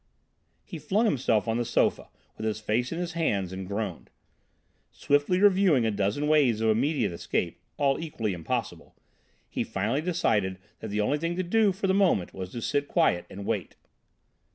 He flung himself on the sofa, with his face in his hands, and groaned. Swiftly reviewing a dozen ways of immediate escape, all equally impossible, he finally decided that the only thing to do for the moment was to sit quiet and wait.